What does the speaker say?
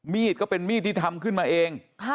ก็เป็นมีดที่ทำขึ้นมาเอง